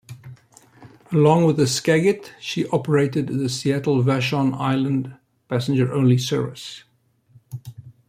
Along with the "Skagit", she operated the Seattle-Vashon Island passenger-only service.